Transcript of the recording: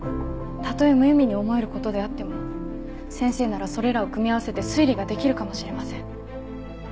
たとえ無意味に思えることであっても先生ならそれらを組み合わせて推理ができるかもしれません。